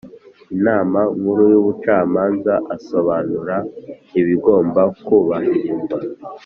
Inama nkuru y ubucamanza asobanura ibigomba kubahirizwa